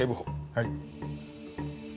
はい。